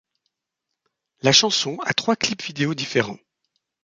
La chanson a trois clips vidéos différents.